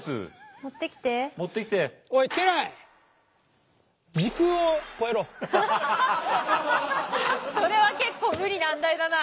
おいそれは結構無理難題だな。